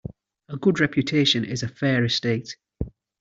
A good reputation is a fair estate.